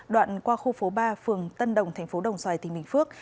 đoạn qua khu phố ba phường tân đồng thành phố đồng xoài tỉnh bình phước